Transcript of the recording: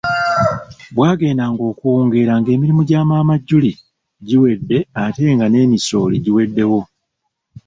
Bwagendanga okuwungeera ng'emirimu gya maama Julie giwedde ate nga n'emisooli giweddewo.